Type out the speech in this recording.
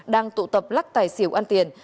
đang tụ tập lắc tài xỉu ăn tiền